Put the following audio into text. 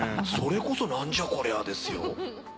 それこそなんじゃこりゃあですよ。